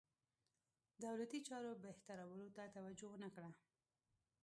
دولتي چارو بهترولو ته توجه ونه کړه.